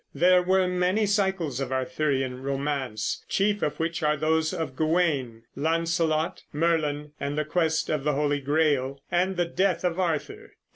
There were many cycles of Arthurian romances, chief of which are those of Gawain, Launcelot, Merlin, the Quest of the Holy Grail, and the Death of Arthur.